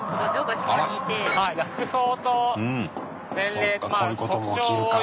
そっかこういうことも起きるか。